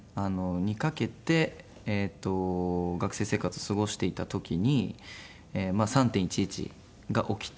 にかけて学生生活を過ごしていた時に３・１１が起きて。